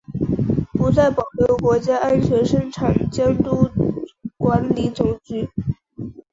不再保留国家安全生产监督管理总局。